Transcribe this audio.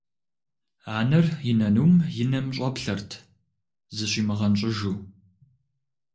Анэр и нанум и нэм щӀэплъэрт, зыщимыгъэнщӀыжу.